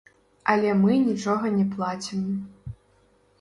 Але мы нічога не плацім.